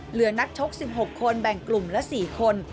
เหลือนักชก๑๖คนแบ่งกลุ่มละ๔คน